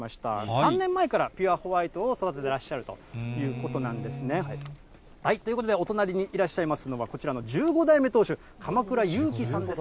３年前からピュアホワイトを育ててらっしゃるということなんですね。ということでお隣にいらっしゃいますのは、こちらの１５代目当主、鎌倉優希さんです。